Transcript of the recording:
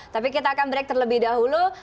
tapi kita akan break terlebih dahulu